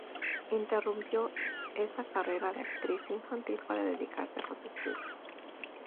Interrumpió esa carrera de actriz infantil para dedicarse a los estudios.